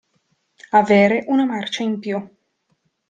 Avere una marcia in più.